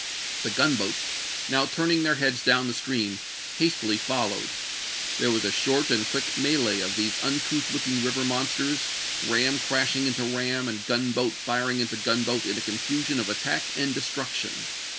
The gunboats, now turning their heads down the stream, hastily fol lowed. There was a short and quick melee of these uncouth looking river monsters, ram crashing into ram and gunboat firing into gunboat in a confusion of attack and destruction.